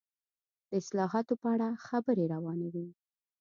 د اصلاحاتو په اړه خبرې روانې وې.